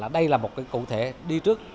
đây là một cụ thể đi trước